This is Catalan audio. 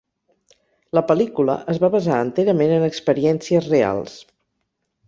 La pel·lícula es va basar enterament en experiències reals.